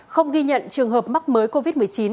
không ghi nhận trường hợp mắc mới covid một mươi chín